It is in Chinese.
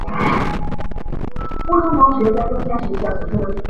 扁果润楠为樟科润楠属下的一个种。